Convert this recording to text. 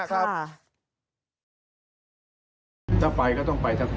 จะไปก็ต้องไปสักครั้ง